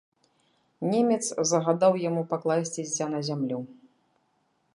Немец загадаў яму пакласці дзіця на зямлю.